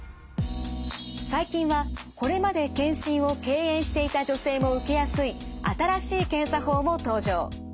最近はこれまで検診を敬遠していた女性も受けやすい新しい検査法も登場。